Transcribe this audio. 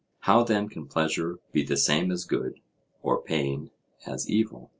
How then can pleasure be the same as good, or pain as evil?